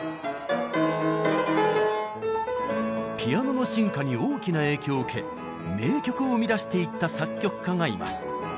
ピアノの進化に大きな影響を受け名曲を生み出していった作曲家がいます。